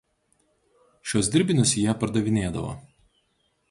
Šiuos dirbinius jie pardavinėdavo.